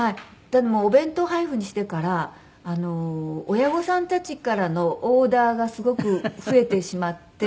でもお弁当配布にしてから親御さんたちからのオーダーがすごく増えてしまって。